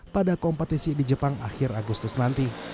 pada kompetisi di jepang akhir agustus nanti